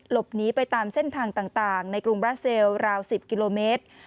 หลบหนีไปตามเส้นทางต่างในกรุงบราเซลราว๑๐กิโลเมตร